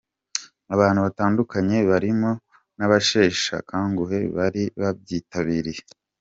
Abantu batandukanye barimo n'abasheshakanguhe bari babyitabiriye.